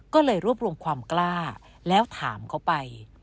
ก็เลยรวบรวมความกล้าแล้วถามเขาไป